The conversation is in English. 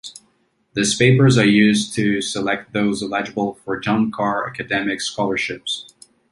These papers are used to select those eligible for John Carr academic scholarships.